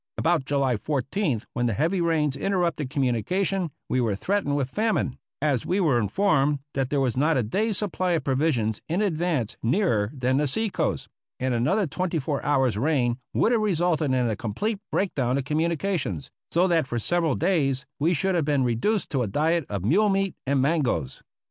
About July 14th, when the heavy rains interrupted communication, we were threatened with fam ine, as we were informed that there was not a day's supply of provisions in advance nearer than the sea coast ; and another twenty four hours' rain would have resulted in a complete break down of communications, so that for sev eral days we should have been reduced to a diet of mule meat and mangos.